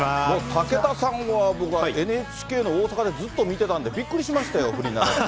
武田さんは、僕はＮＨＫの大阪で、ずっと見てたんで、びっくりしましたよ、フリーになられて。